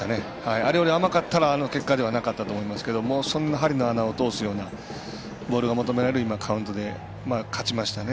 あれより甘かったらあの結果ではなかったと思いますからそんな針の穴を通すようなボールが求められるカウントで勝ちましたね。